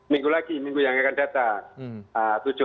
minggu lagi minggu yang akan datang